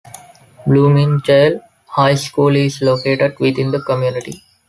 Bloomingdale High School is located within the community.